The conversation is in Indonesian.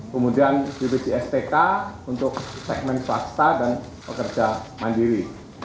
kemudian duduk di stk untuk segmen swasta dan pekerja mandiri